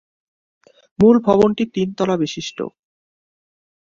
মূল ভবনটি তিন তলা বিশিষ্ট।